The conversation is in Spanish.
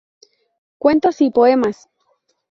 Cuentos y poemas